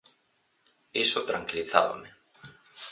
Iso tranquilizábame.